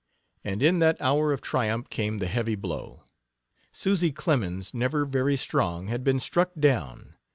And in that hour of triumph came the heavy blow. Susy Clemens, never very strong, had been struck down.